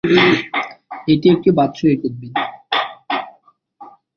এটি একটি বাৎসরিক উদ্ভিদ।